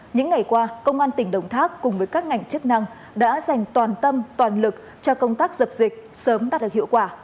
những ngày qua công an tỉnh đồng tháp cùng với các ngành chức năng đã dành toàn tâm toàn lực cho công tác dập dịch sớm đạt được hiệu quả